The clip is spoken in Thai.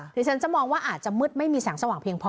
ดิฉันจะมองว่าอาจจะมืดไม่มีแสงสว่างเพียงพอ